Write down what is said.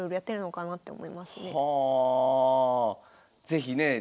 是非ねえ